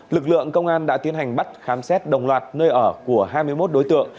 lực lượng công an đã tiến hành bắt khám xét đồng loạt nơi ở của hai mươi một đối tượng